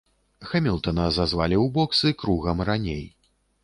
Хэмілтана зазвалі ў боксы кругам раней.